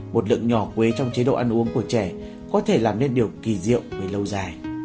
một lượng nhỏ quế trong chế độ ăn uống của trẻ có thể làm nên điều kỳ diệu về lâu dài